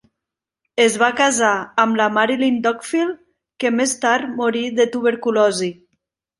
Es va casar amb la Marilyn Dockfill, que més tard morí de tuberculosi.